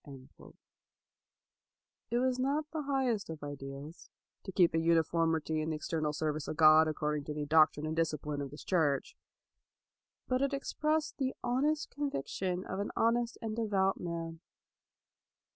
It was not the highest of ideals, " to keep a uniformity in the ex ternal service of God according to the doctrine and discipline of this church' 1 ; but it expressed the honest conviction of an honest and devout man.